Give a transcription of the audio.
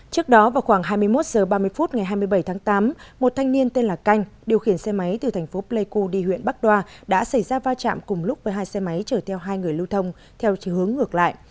trước đó vào khoảng hai mươi một h ba mươi phút ngày hai mươi bảy tháng tám một thanh niên tên là canh điều khiển xe máy từ thành phố pleiku đi huyện bắc đoa đã xảy ra va chạm cùng lúc với hai xe máy chở theo hai người lưu thông theo hướng ngược lại